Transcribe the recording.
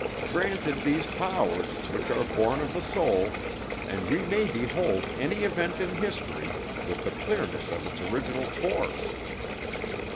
Granted these powers, which are born of the soul, and we may behold any event in history with the clearness of its original force.